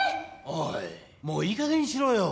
おいもういい加減にしろよ！